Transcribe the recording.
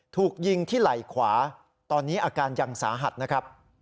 ถูกยิงที่ไหล่ขวาตอนนี้อาการยังสาหัสนะครับ